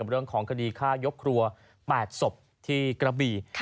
เรื่องของคดีฆ่ายกครัว๘ศพที่กระบี่